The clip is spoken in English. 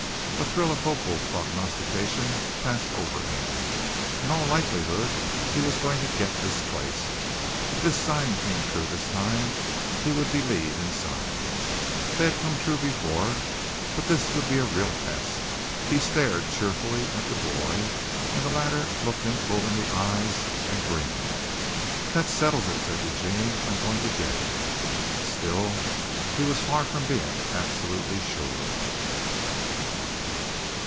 A thrill of hopeful prognostication passed over him. In all likelihood he was going to get this place. If this sign came true this time, he would believe in signs. They had come true before, but this would be a real test. He stared cheerfully at the boy and the latter looked him full in the eyes and grinned. "That settles it!" said Eugene. "I'm going to get it." Still he was far from being absolutely sure.